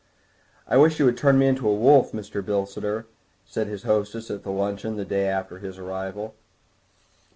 "I wish you would turn me into a wolf, Mr. Bilsiter," said his hostess at luncheon the day after his arrival.